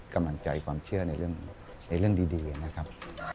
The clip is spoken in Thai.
กำลังใจความเชื่อในเรื่องดีนะครับ